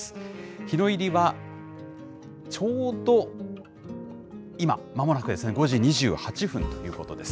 日の入りはちょうど今、まもなくですね、５時２８分ということです。